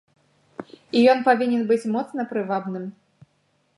І ён павінен быць моцна прывабным.